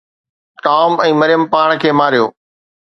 Tom ۽ Maryam پاڻ کي ماريو